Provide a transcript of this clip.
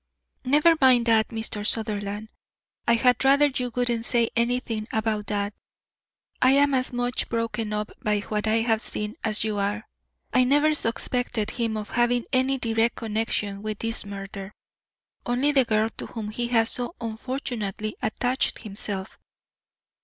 "Never mind that, Mr. Sutherland. I had rather you wouldn't say anything about that. I am as much broken up by what I have seen as you are. I never suspected him of having any direct connection with this murder; only the girl to whom he has so unfortunately attached himself.